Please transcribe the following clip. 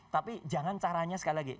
tapi jangan caranya sekali lagi